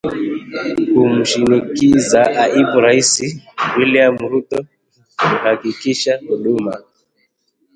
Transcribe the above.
kumshinikiza naibu rais William Ruto kuhakikisha huduma